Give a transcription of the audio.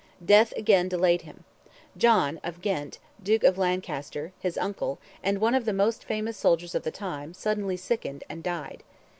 Death again delayed him. John of Ghent, Duke of Lancaster, his uncle, and one of the most famous soldiers of the time, suddenly sickened, and died.